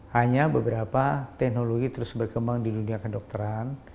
hanya beberapa teknologi terus berkembang di dunia kedokteran